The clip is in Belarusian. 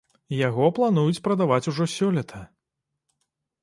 Яго плануюць прадаваць ужо сёлета.